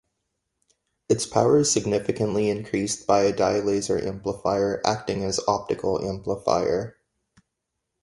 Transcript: Its power is significantly increased by a dye laser amplifier acting as optical amplifier.